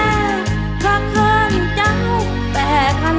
นางเดาเรืองหรือนางแววเดาสิ้นสดหมดสาวกลายเป็นขาวกลับมา